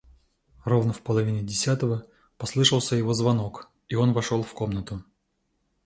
Ровно в половине десятого послышался его звонок, и он вошел в комнату.